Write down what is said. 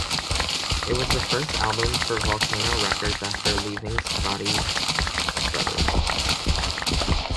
It was the first album for Volcano Records after leaving Scotti Brothers.